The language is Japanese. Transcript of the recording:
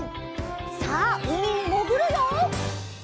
さあうみにもぐるよ！